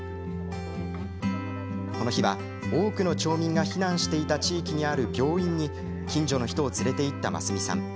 この日は、多くの町民が避難していた地域にある病院に近所の人を連れて行った真澄さん。